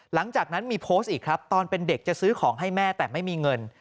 หลังจากนั้นมีโพสต์อีกครับตอนเป็นเด็กจะซื้อของให้แม่แต่ไม่มีเงิน